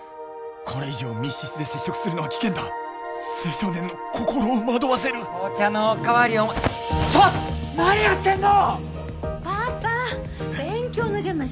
これ以上密室で接触するのは危険だ青少年の心を惑わせる紅茶のおかわりをお持ちちょっと何やってんの！